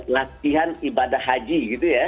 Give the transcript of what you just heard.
latihan ibadah haji gitu ya